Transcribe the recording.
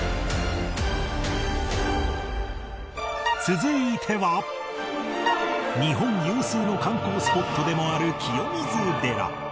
続いては日本有数の観光スポットでもある清水寺